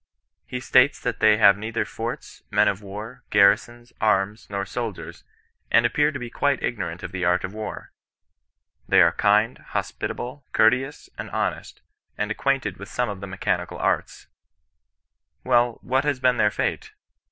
He states that they have neither forts, men of war, garrisons, arms, nor soldiers, and appear to be quite ignorant of the art of war. They are kind, hospitable, courteous, and honest, and ac quainted with some of the mechanical arts. WeU, what has been their fate ?